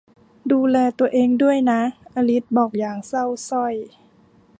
ดูแลตัวเองด้วยนะ อลิซบอกอย่างเศร้าสร้อย